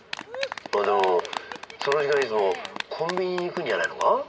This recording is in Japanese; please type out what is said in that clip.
でもその時間いつもコンビニに行くんじゃないのか？